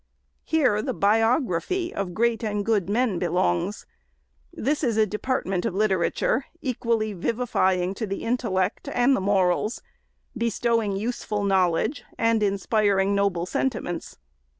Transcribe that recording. Here the biography of great and good men belongs. This is a department of literature, equally vivify ing to the intellect and the morals; — bestowing useful knowledge and inspiring noble sentiments.